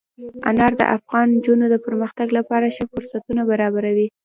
انار د افغان نجونو د پرمختګ لپاره ښه فرصتونه برابروي.